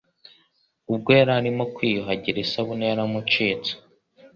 ubwo yari arimo kwiyuhagira isabune yaramucitse.